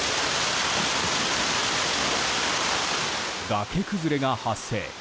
崖崩れが発生。